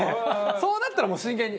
そうなったらもう真剣に。